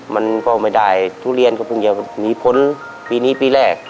มันก็ไม่ได้ทุเรียนก็เพิ่งจะมีผลปีนี้ปีแรก